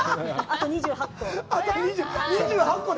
あと２８個。